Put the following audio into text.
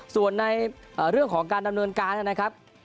ส่วนในเรื่องของการดำเนินการนะครับ